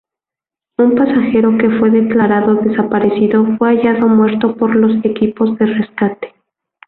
Un pasajero que fue declarado desaparecido fue hallado muerto por los equipos de rescate.